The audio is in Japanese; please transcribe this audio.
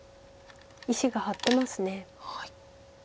石が張ってます。